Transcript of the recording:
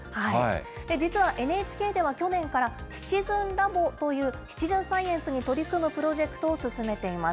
実はＮＨＫでは去年からシチズンラボという、シチズンサイエンスに取り組むプロジェクトを進めています。